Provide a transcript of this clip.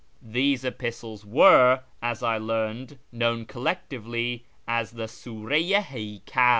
These epistles were, as I learned, known collectively as the Sura i Hcykal.